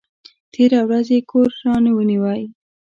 تېره ورځ یې کور رانیوی!